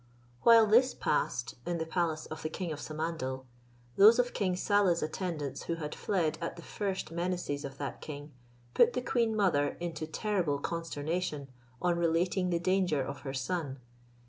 While this passed in the palace of the king of Samandal, those of King Saleh's attendants who had fled at the first menaces of that king, put the queen mother into terrible consternation, on relating the danger of her son.